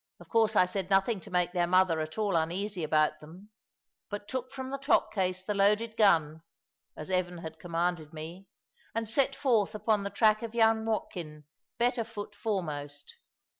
Of course I said nothing to make their mother at all uneasy about them, but took from the clock case the loaded gun (as Evan had commanded me), and set forth upon the track of young Watkin, better foot foremost.